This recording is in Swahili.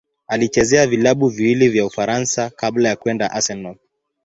Alichezea vilabu viwili vya Ufaransa kabla ya kwenda Arsenal.